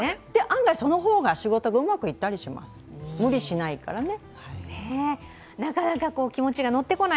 案外その方が仕事がうまくいったりします、無理しないからね。